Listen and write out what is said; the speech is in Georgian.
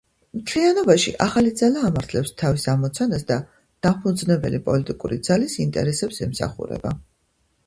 მთლიანობაში, „ახალი ძალა“ ამართლებს თავის ამოცანას და დამფუძნებელი პოლიტიკური ძალის ინტერესებს ემსახურება.